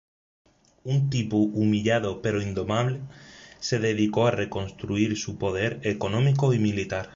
Un Tipu humillado pero indomable se dedicó a reconstruir su poder económico y militar.